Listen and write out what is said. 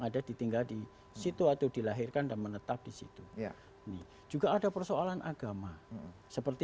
ada ditinggal di situ atau dilahirkan dan menetap disitu juga ada persoalan agama seperti